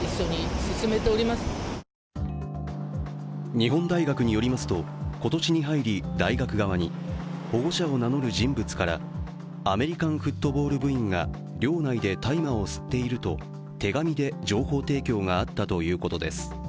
日本大学によりますと今年に入り大学側に、保護者を名乗る人物からアメリカンフットボール部員が寮内で大麻を吸っていると手紙で情報提供があったということです。